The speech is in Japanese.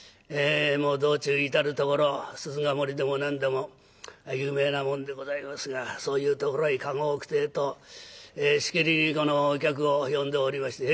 道中至る所鈴ヶ森でも何でも有名なもんでございますがそういうところへ駕籠を置くてえとしきりにお客を呼んでおりまして。